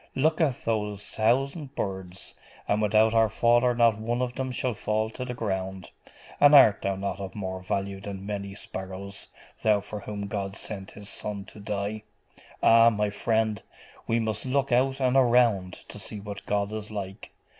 Look at those thousand birds and without our Father not one of them shall fall to the ground: and art thou not of more value than many sparrows, thou for whom God sent His Son to die?.... Ah, my friend, we must look out and around to see what God is like.